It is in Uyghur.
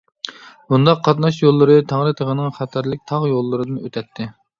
بۇنداق قاتناش يوللىرى تەڭرى تېغىنىڭ خەتەرلىك تاغ يوللىرىدىن ئۆتەتتى.